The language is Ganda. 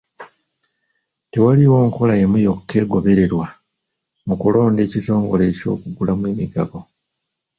Tewaliiwo nkola emu yokka egobererwa mu kulonda ekitongole eky'okugulamu emigabo.